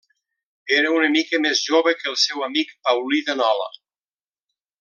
Era una mica més jove que el seu amic Paulí de Nola.